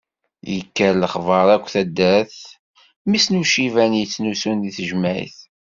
Yekka lexbar akk taddart, mmi-s n uciban yettnusun deg tejmeɛt.